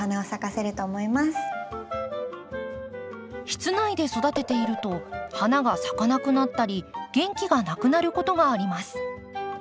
室内で育てていると花が咲かなくなったり元気がなくなることがあります。